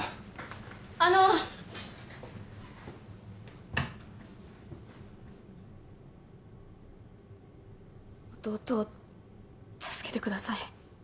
あの弟を助けてください